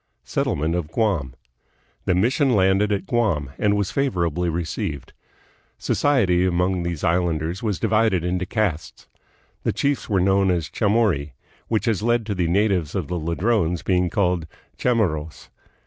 Settlement of Guam. The mission landed at Guam, and was favorably received. Society among these island ers was divided into castes. The chiefs were known as chamorri, which has led to the natives of the Ladrones being called "Chamorros."